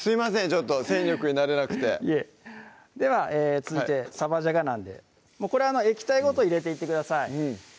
ちょっと戦力になれなくてでは続いて「サバじゃが」なんでこれは液体ごと入れていってください